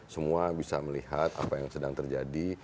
semua bisa melihat apa yang sedang terjadi